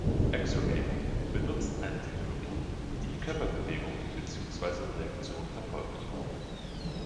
Exergaming benutzt eine Technologie, die Körperbewegung bzw. -reaktion verfolgt.